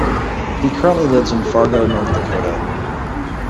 He currently lives in Fargo, North Dakota.